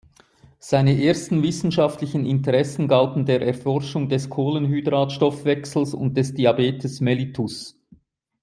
Seine ersten wissenschaftlichen Interessen galten der Erforschung des Kohlenhydrat-Stoffwechsels und des Diabetes mellitus.